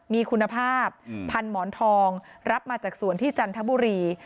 มีคุณภาพพันหมอนทองรับมาจากสวนที่จันทบุรี